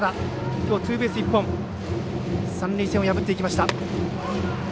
きょう、ツーベース１本。三塁線を破っていきました。